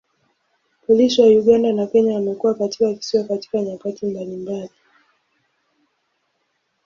Polisi wa Uganda na Kenya wamekuwa katika kisiwa katika nyakati mbalimbali.